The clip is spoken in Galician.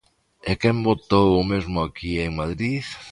¿E quen votou o mesmo aquí e en Madrid?